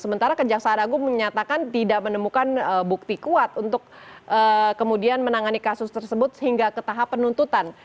sementara kejaksaan agung menyatakan tidak menemukan bukti kuat untuk kemudian menangani kasus tersebut hingga ke tahap penuntutan